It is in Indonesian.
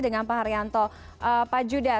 dengan pak haryanto pak judah